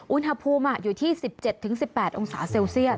อุณหภูมิอยู่ที่๑๗๑๘องศาเซลเซียส